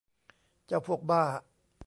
เจ้าพวกบ้า